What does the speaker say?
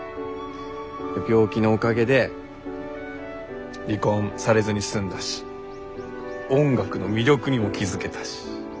病気のおかげで離婚されずに済んだし音楽の魅力にも気付けたし。